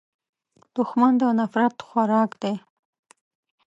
دښمن د نفرت خوراک دی